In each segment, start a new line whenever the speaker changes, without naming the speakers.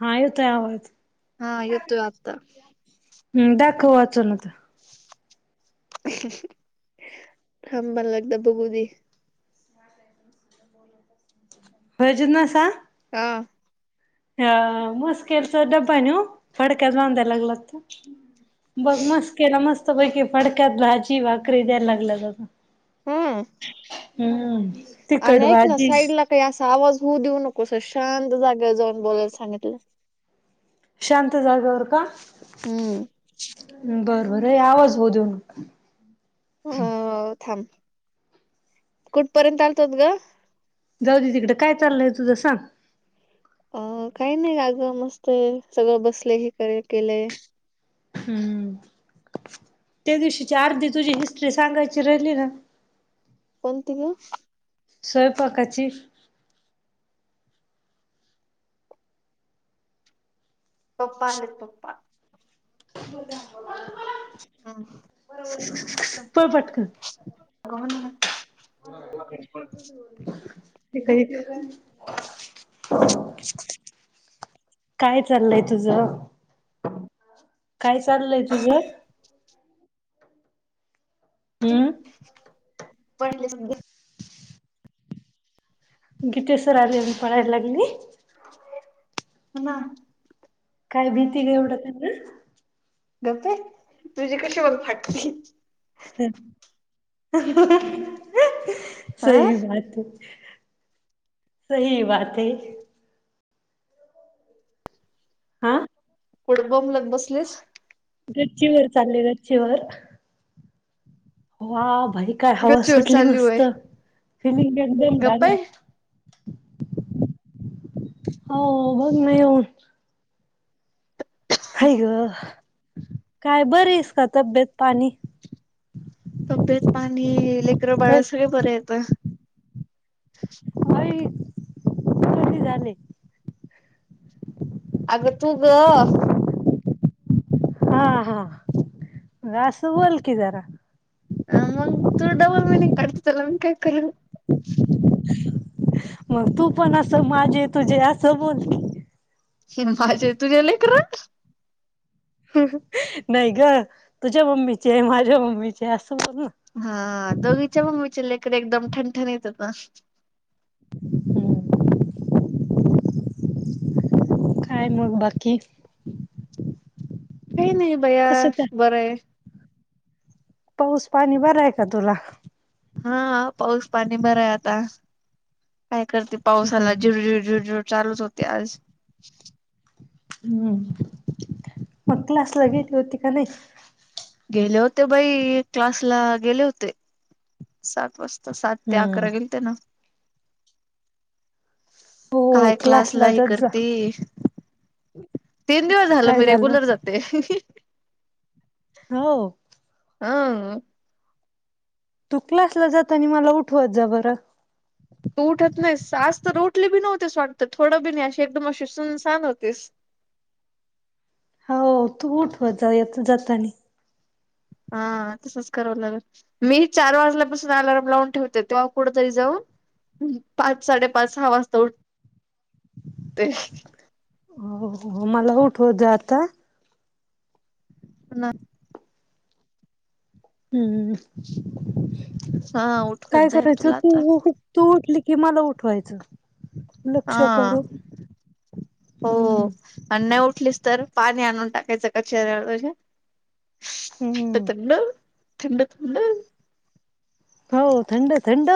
हा येेतोय आवाज.
हा येतोय आवाज
हम्म दाखव वाचूव न आता.
थांब मला एकदा बघू दे
ब वजनसा, [unintelligible]
हा
हा मस्कल तर डबा नव पडक्याल बाधायला लागलात ते बघ मस्केला केला मस्त पैकी फडक्यात भाजी भाकरी द्यायला लागलं.
हम्म
हम्म
आणि
तिकट
ऐक ना
भाजी.
साईडला काही असा आवाज होऊ देऊ नकोस शांत जागेत जाऊन बोलायला सांगितलं.
शांत जागेवर का?
हम्म
बरं बरं आवाज होऊ देऊ नको.
हो थांब कुठपर्यंत आलतोत ग?
जाऊ दे तिकडं काय चाललंय तुझं सांग?
अ काही नाही आगं मस्त आहे सगळं बसले हे करे केलेय.
हम्म त्या दिवशीच्या अर्धी तुझी हिस्ट्री सांगायची राहिली ना.
कोणती ग?
स्वयंपाकाची?
पप्पा आले पप्पा. हम्म.
[unintelligible] पळ पटकन.
[unintelligible] हो ना. [unintelligible]
[unintelligible] काय चाललंय तुझ?
[unintelligible]
काय चाललय तुझं? हम्म
[unintelligible]
गीतेसर आले, मंग पळायला लागली.
आपलेत [unintelligible] होणा
काय भीती ग, एवढं त्यांना?
गपये, तुझी कशी मग फाटती.
हं हं ही,
हा
सही बात ये.. सही बात हे. आं?
कुड बोंबलत बसलीस?
गच्चीवर चालले, गच्चीवर ह, वाह भाई. काय हवा
गच्चीवर
सुटली,
चालली होय
मस्त. फिनिंग [unintelligible] एकदम
गप्प
लाग
आहे
झालं. हो बघ ना येऊन. काय ग? काय बरिस का तब्येत पाणी?
तब्येत पाणी, लेकरं बाळ
होय
सगळे बरे येतं.
आई, कधी झाले?
अग तू ग
हां हां आस बोलकी, जरा.
हां मग, तू डबल मिनिंग काढते, त्याला मी काय करू?
मग तू पण असं, माझे तुझे असं बोल
[unintelligible] हि माझे तुझे लेकर.
हं हिं, नही ग तुझ्या मम्मीचे, माझ्या मम्मीचे असं बोल ना
हा दोघींच्या मम्मीचे लेकरं, एकदम ठंन ठणीत यत. [inaudible]
काय मग बाकी?
काई नई बया
कसं काय
बरं ये.
पाऊस पाणी बराये का तुला?
हां पाऊस पाणी बरा ये, आता काय करती? पावसाला
हम्म.
जुरजुर झुरजुर चालूच होते आज.
हम्म, मग क्लासला गेली होती का नाही?
गेले होते बाई, क्लास ला गेले होते, सात वाजता. त सात ते
हम्म.
अकरा गेल ते ना.
तू
काय
क्लासला
हे
जात जा.
करते तीन दिवस झालं, मी रेगुलर जाते.
हो.
अं.
तू क्लासला जातानी मला उठवत जा बरं.
तू उठत नाहीस, आज तर उठले बी नव्हतेस वाटतं थोडं बी नाही अशी एकदम अशी सुनसान होतेस.
हो तू उठवजा येत जातानी.
हां तसंच करावं लागलं. मीही चार वाजल्यापासून अलाराम लावून ठेवते तेव्हा कुठेतरी जाऊन हं पाच साडेपाच सहा वाजता उठ ते.
हो, हो मला उठवत जा आता.
[unintelligible]
हम्म,
हा उठवत
काय
जाईन
करायचं
तुला आता
तू तू उठली की मला उठवायचं. लक्ष
हां,
करून.
हो.
हम्म
आणि नाही उठलीस तर पाणी आणून टाकायचं का चेहऱ्यावर तुझ्या?
हम्म.
थंड, थंड थंड.
हो थंड थंड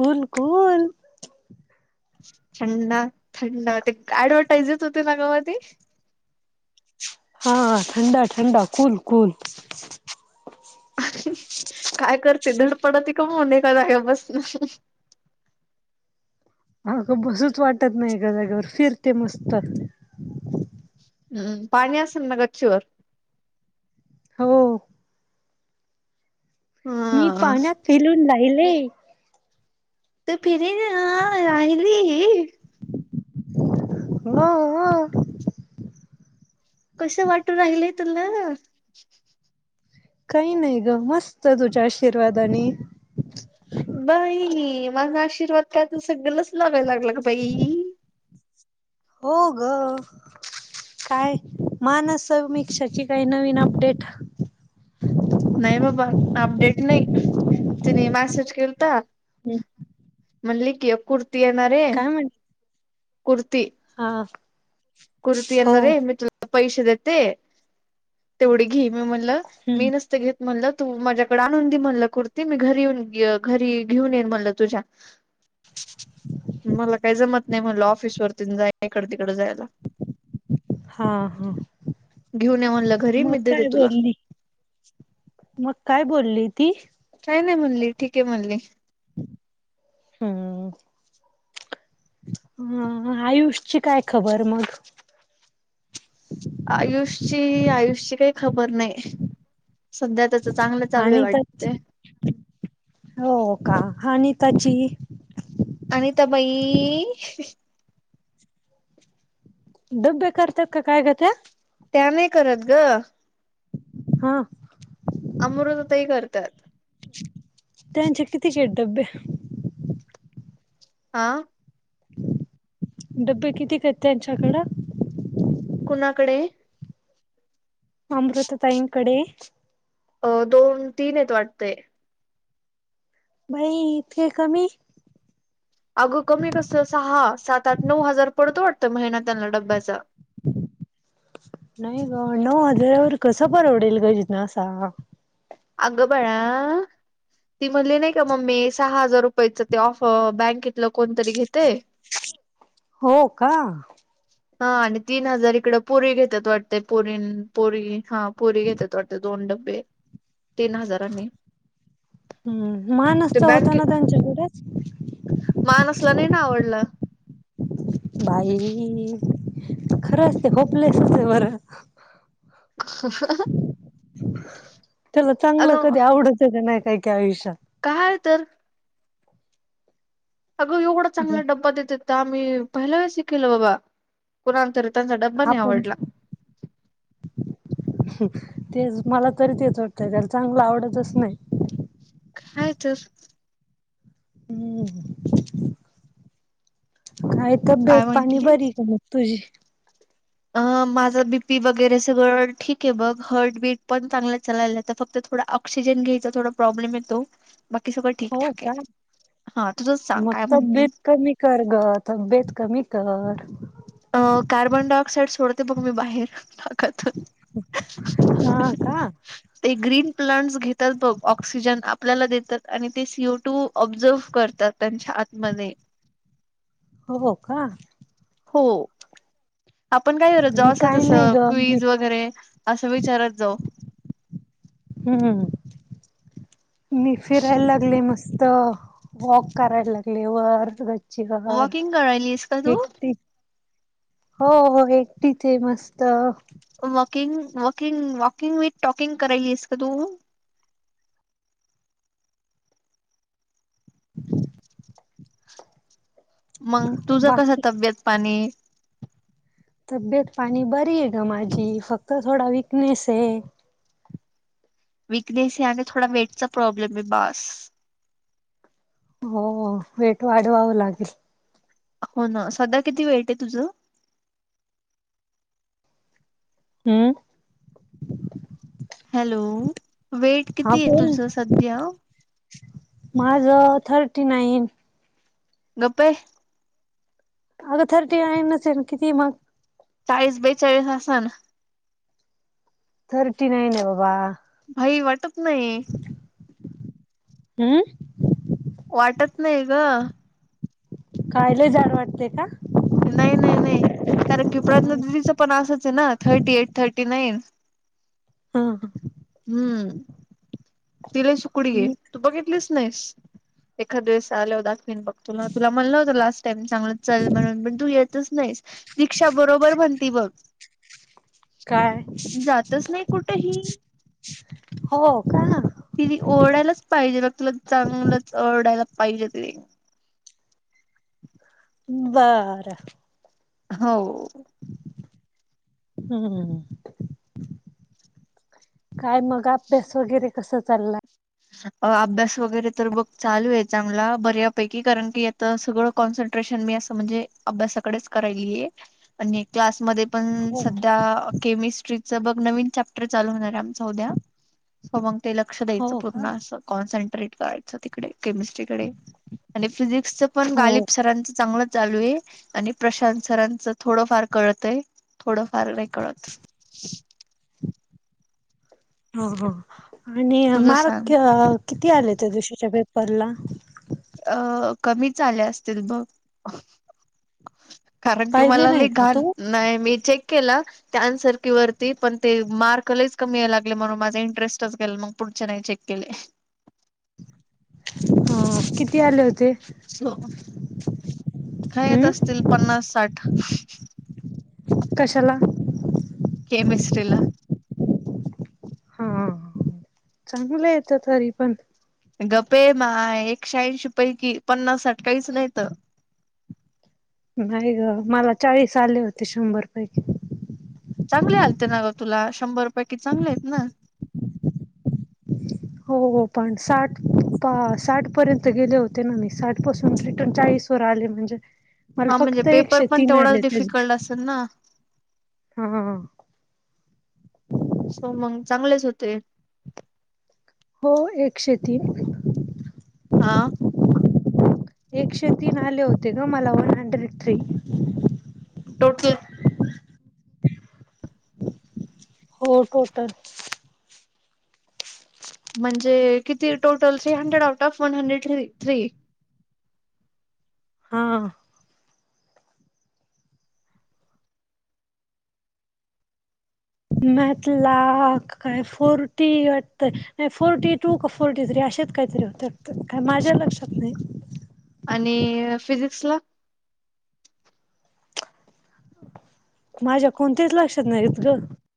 कूल कूल.
थंड थंडते ऍडव्हटाईज येत होती ना ग मधी?
हां थंडा थंडा कुल कुल.
काय करते धडपडते का मोने एका जाग्यावर बस
आग बसूच वाटत नाही एका जागेवर, फिरते मस्त.
हम्म, पाणी आसन ना गच्चीवर?
हो. मी
हा
पाण्यात फिलून राहिले.
तू फिरून अं राहिली?
हो. हो
कसं वाटू राहिलय तुला?
काही नाही ग मस्त, तुझ्या आशीर्वादानी.
बाई माझा आशीर्वाद कायच सगलच लागाय लागलं बाई?
हो ग. काय मानस, समेक्षाची काही नवीन अपडेट?
नाही बाबा अपडेट नाही, तिने मॅसेज केलता.
हम्म
म्हणली किय कुर्ती येणारेय. कुर्ती
हां.
कुर्ती येणारेय मी तुला पैशे देते. तेवढी घी, मी म्हणल मी
हम्म
नसत घेत. म्हणलं तू माझ्याकडे आणून दे म्हणल कुर्ती मी घरी येऊन घरी घेऊन येईन म्हणल तुझ्या. [inaudible]
[inaudible]
मला काही जमत नाही म्हटलं ऑफिस वरती जाय इकड तिकड जायला.
हां हां.
घेऊन ये म्हणलं घरी, मी देते तुला.
मग काय बोलली ती?
काय नाही म्हणली, ठीक आहे म्हणली.
हम्म. अं आयुषची काय खबर मग?
आयुषची आयुषची काय खबर नाय. सध्या त्याच चांगल चालूये
आणि त्याच
वाटतयं.
हो का हानी ताची
आणिता बई
डब्बे करतात का काय ग त्या
त्या नाय करत ग
हा
अमृता ताई करतात.
त्यांचे कितीचेेत डब्बे
आ
डब्बे कितीक येत त्यांच्याकडं
कुणाकडे
अमृता ताईंकडे
अ दोन तीन येत वाटतय.
भाई इतके कमी
अगं कमी कस सहा सात आठ नऊ हजार पडतो वाटतं महिना त्यांना डब्याचा
नाही ग नऊ हजारावर कसं परवडेल ग जिज्ञानासा
अग बाळा ती म्हणली नायं का मम्मी सहा हजार रुपयाच ते ऑफ बँके तल कोणतरी घेतयं.
हो का
हा आणि तीन हजार इकड पोरी घेतात वाटते पोरी पोरगी हा पोरी घेतात दोन डब्बे तीन हजारांनी
हम्म
ते
मानसचा होता
बँके
ना त्यांच्याकडेच
मानसला नाही ना आवडल
बाई खरंच ते होपलेस ये बरं
[unintelligible]
त्याज चांगलं कधी आवडतच नाही काय काय आयुष्यात
काहळ तर अगं एवढा चांगला डब्बा देतेतं त आम्ही पहिला शिकेला बाबा कुणाला तरी त्यांचा डब्बा नाय
आपण
आवडला.
तेच मला तरी तेच वाटतय त्याला चांगलं आवडतच नायं.
काय त
हम्म कायं
काय
तब्येत पाणी
म्हंटली
बरी ये का म तुझी
अ माझं बीपी वगैरे सगळं ठीक ये बघ हर्ट बीट पण चांगलं चालेला त फक्त थोडा ऑ ऑक्सिजन घ्यायचा थोडा प्रॉब्लेम येतो. बाकी सगळं
हो
ठीकठाक ये
का?
हा तुझंच सांग
मग
काय म्हणती
तब्येत कमी कर ग तब्येत कमी कर
अ कार्बन डाय ऑक्साइड सोडते बघ मी बाहेर नाकातून
हा का?
[unintelligible] ते ग्रीन प्लांट्स घेतात बघ ऑक्सिजन आपल्याला देतात आणि ते सीओ टू ऑब्झर्व्ह करतात. त्यांच्या आतमध्ये
हो हो का
हो आपण काय करत
मी
जास
काय
जस
नाही ग मी
क्वीज वगैरे असं विचारत जाऊ
हम्म मी फिरायला लागले मस्त त वॉक करायला लागले वर चीक घर
वॉकिंग करायलीस का तू
एकटी होय एकटीच आहे मस्त
walking walking walking with talking करायलीस काय तू?
[inaudible]
मग तुझं कस
बाकी
तब्येत पाणी?
तब्येत पाणी बरी आहे ग माझी फक्त थोडा विकनेस आहे.
विकनेस आहे आणि थोडा वेटचा प्रॉब्लेम आहे बास.
हो वेट वाढवावं लागेल.
हो ना सध्या किती वेटय तुझं
हम्म.
हॅलो वेट
हा
किती आहे
बोल
तुझ सध्या?
माझं थर्टी नाईन.
गप्पे.
अगं थर्टी नाईनच हायना कितीय मग?
चाळीस बेचाळीस अस ना.
थर्टी नाईन आहे बाबा.
भाई वाटत नाही.
हम्म.
वाटत नाही ग.
काय लई जाड वाटते का?
नाही नाही नाही कारण की प्रज्ञा दिदीचं पण असच आहे ना थर्टी एट थर्टी नाईन.
हा.
हम्म तिला सुकडी आहे तू बघितलीस. नाईस एखाद वेळेस आल्यावर दाखवीन बघ तुला तुला म्हणल होत लास्ट त्यांनी चांगलं चल म्हणून पण तू येतच नाहीस रिक्षा बरोबर म्हणती बघ
काय?
त ही.
हो का
तिरी ओढायलाच पाहिजे बघ तुला चांगलंच ओरढायला पाहिजे तिरी
बरं.
हो.
हम्. काय मग अभ्यास वगैरे कस चाललाय?
अभ्यास वगैरे तर बघ चालूये चांगला बऱ्या पैकी कारण की तर सगळं कॉन्सन्ट्रेशन मी असं म्हणजे अभ्यासाकडेच करायली गेलीय आणि क्लासमध्ये पण
हो
सध्या केमिस्ट्रीच बघ नवीन चॅप्टर चालू होणार आहे आमच उद्या सो मग ते लक्षात
हो का
पुन्हा असं कॉन्सन्ट्रेट करायच तिकडे केमिस्ट्री कडे आणि फिजिक्सच पण
हो
गालिब सरांचं चांगलं चालू आहे. आणि प्रशांत सरांचं थोडंफार कळतंय थोडंफार नाही कळत
हा हा आणि
तुझं सांग
मार्क किती आले त्या दिवशीच्या पेपरला
अ कमीच आले असतील बघ कारण की
पाहिले
मला
नाही
लय
का
घाण
तू
नाही. मी चेक केला. त्या आन्सर की वरती पण ते मार्क लईच कमी या लागले म्हणून माझा इंटरेस्टच गेला मग पुढच्या नाही चेक केले.
हो किती आले होते?
हो खायत
हम्म
असतील पन्नास साठ
कशाला?
केमिस्ट्रीला.
हा चांगलं येतं तरी पण
गपये माय एकशे ऐंशी पैकी पन्नास साठ काहीच नाहीत.
नाही ग मला चाळीस आले होते शंभर पैकी
चांगले आलते ना गं तुला शंभर पैकी चांगले आहेत ना
हो पण साठ अ साठ पर्यंत गेले होते ना मी साठ पासून रिटर्न चाळीस बर आले म्हणजे मला
हा म्हणजे
फक्त
पेपर
एकशे
पण
तीन
तेवढाच
आले त्या
डिफिकल्ट
दिवशी
असेल ना
हा
सो मंग चांगलेच होते.
हो एकशे तीन
आ
एकशे तीन आले होते का मला वन हंड्रेड थ्री
टोटल
हो टोटल
म्हणजे किती टोटलचे hundred out of one hundred three three
हा मॅथला काय फोर्टी वाटत न फोर्टी टू का फोर्टी थ्री असेच काही तरी होते. त्यात काय माझ्या लक्षात नाही.
आणि फिजिक्सला
माझ्या कोणत्याच लक्षात नाहीत गं